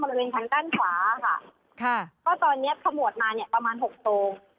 ถ้ามันเป็นทางด้านขวาค่ะค่ะก็ตอนเนี้ยขมวดมาเนี้ยประมาณหกโทรง